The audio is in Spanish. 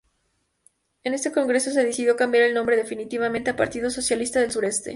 En este congreso, se decidió cambiar el nombre definitivamente a "Partido Socialista del Sureste".